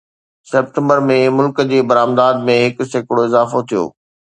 September ۾، ملڪ جي برآمدات ۾ هڪ سيڪڙو اضافو ٿيو